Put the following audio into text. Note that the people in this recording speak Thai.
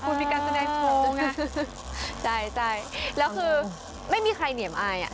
คุณมีการแสดงผลใช่แล้วคือไม่มีใครเหนียมอายอ่ะ